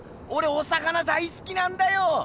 お魚大すきなんだよ。